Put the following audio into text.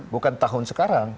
bukan tahun sekarang